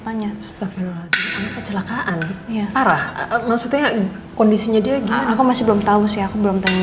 tanya setelah kecelakaan parah maksudnya kondisinya dia gimana aku masih belum tahu sih aku belum tahu